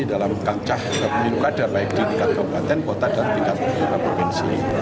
dalam kancah pemilu kader baik di dekat kabupaten kota dan tingkat berikutnya provinsi